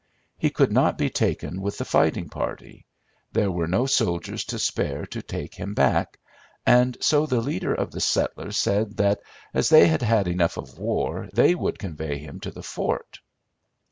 He could not be taken with the fighting party; there were no soldiers to spare to take him back, and so the leader of the settlers said that as they had had enough of war, they would convey him to the fort.